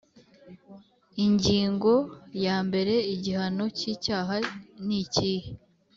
Ingingo ya mbere Igihano cy icyaha nikihe